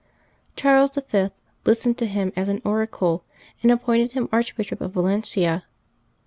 Charles V. listened to him as an oracle, and appointed him Archbishop of Valencia.